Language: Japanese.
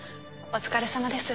お疲れさまです。